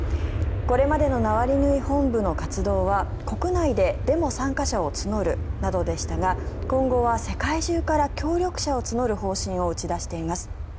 これまでのナワリヌイ本部の活動は、国内でデモ参加者を募るなどでしたが今後は世界中から協力者を募る方針を打ち出しています。